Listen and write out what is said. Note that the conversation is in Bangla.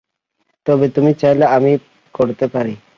তবে তুমি চাইলে আমি করতে পারি।